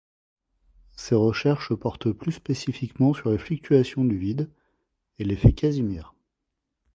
Ses recherches portent plus spécifiquement sur les fluctuations du vide et l'effet Casimir.